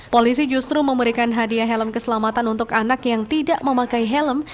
polisi justru memberikan hadiah helm keselamatan untuk anak yang tidak memakai helm